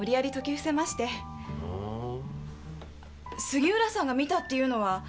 杉浦さんが見たっていうのは。